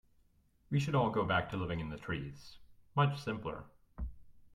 We should all go back to living in the trees, much simpler.